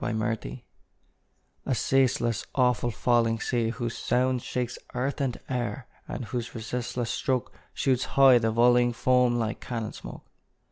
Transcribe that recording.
NIAGARA A ceaseless, awful, falling sea, whose sound Shakes earth and air, and whose resistless stroke Shoots high the volleying foam like cannon smoke!